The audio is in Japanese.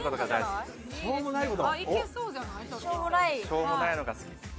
しょうもないのが好きです。